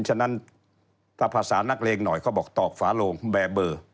ฉะนั้นถ้าภาษานักเลงหน่อยเขาบอกตอกฝาโลงแบบเบอร์